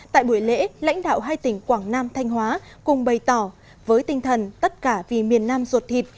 tại buổi lễ lãnh đạo hai tỉnh quảng nam thanh hóa cùng bày tỏ với tinh thần tất cả vì miền nam ruột thịt